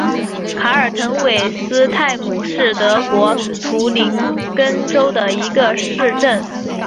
卡尔滕韦斯泰姆是德国图林根州的一个市镇。